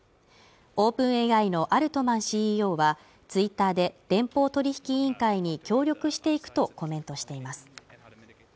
ＯｐｅｎＡＩのアルトマンＣＥＯはＴｗｉｔｔｅｒで、連邦取引委員会に協力していくとコメントしています。